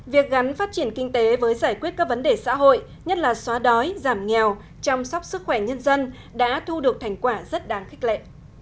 việc gắn phát triển kinh tế với giải quyết các vấn đề xã hội nhất là xóa đói giảm nghèo chăm sóc sức khỏe nhân dân đã thu được thành quả rất đáng khích lệ